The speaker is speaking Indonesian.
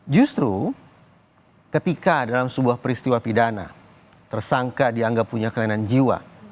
justru ketika dalam sebuah peristiwa pidana tersangka dianggap punya kelainan jiwa